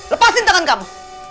lepasin tangan kamu